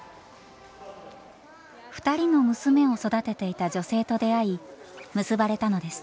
２人の娘を育てていた女性と出会い結ばれたのです。